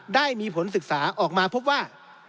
ได้มีผลศึกษาออกมาพบว่า